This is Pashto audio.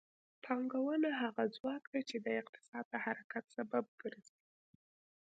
پانګونه هغه ځواک دی چې د اقتصاد د حرکت سبب ګرځي.